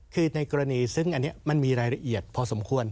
คือในกรณีซึ่งอันนี้มันมีรายละเอียดพอสมควร